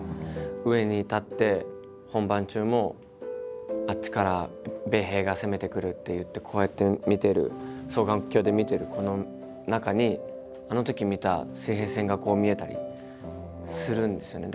上に立って本番中もあっちから米兵が攻めてくるっていってこうやって見てる双眼鏡で見てるこの中にあのとき見た水平線がこう見えたりするんですよね。